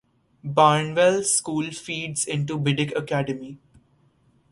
Barnwell School feeds into Biddick Academy.